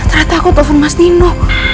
ternyata aku telfon mas nino